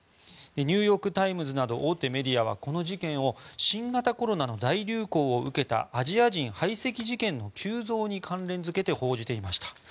ニューヨーク・タイムズなど大手メディアはこの事件を新型コロナの大流行を受けたアジア人排斥事件の急増に関連付けて報じていました。